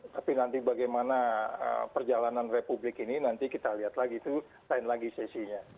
tapi nanti bagaimana perjalanan republik ini nanti kita lihat lagi itu lain lagi sesinya